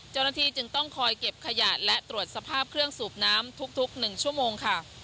เจ้าหน้าที่จึงต้องคอยเก็บขยะและตรวจสภาพเครื่องสูบน้ำทุก๑ชั่วโมงค่ะ